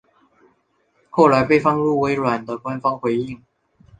后来被放入微软的官方回应。